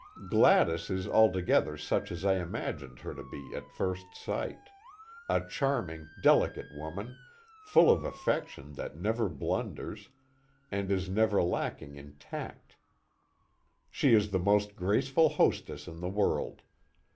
Gladys is altogether such as I imagined her to be at first sight a charming, delicate woman, full of affection that never blunders, and is never lacking in tact. She is the most graceful hostess in the world.